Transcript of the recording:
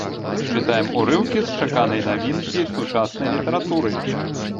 Чытаем урыўкі з чаканай навінкі сучаснай літаратуры.